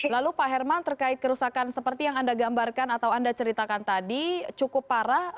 lalu pak herman terkait kerusakan seperti yang anda gambarkan atau anda ceritakan tadi cukup parah